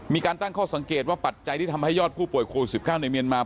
มีการตั้งข้อสังเกตว่าปัจจัยที่ทำให้ยอดผู้ป่วยโควิด๑๙ในเมียนมา